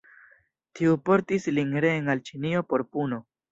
Tiu portis lin reen al Ĉinio por puno.